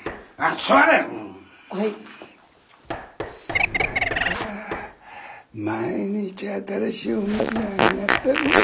先代の頃は毎日新しいお神酒があがったもんだ。